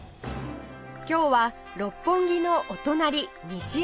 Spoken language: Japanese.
今日は六本木のお隣西麻布へ